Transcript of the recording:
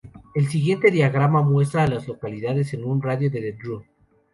El siguiente diagrama muestra a las localidades en un radio de de Drew.